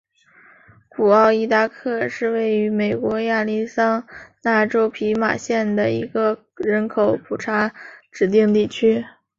古奥伊达克是位于美国亚利桑那州皮马县的一个人口普查指定地区。